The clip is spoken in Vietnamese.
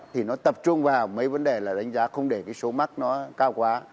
thì nó tập trung vào mấy vấn đề là đánh giá không để cái số mắc nó cao quá